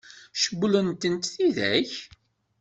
Cewwlent-tent tidak?